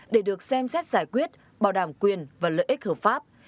để được xem xét giải quyết bảo đảm quyền và lợi ích hợp pháp